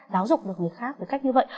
giáo dục được người khác với cách như vậy